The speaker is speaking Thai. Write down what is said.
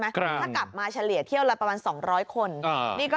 ไหมถ้ากลับมาเฉลี่ยเที่ยวละประมาณสองร้อยคนอ่านี่ก็